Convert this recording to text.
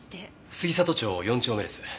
杉里町４丁目です。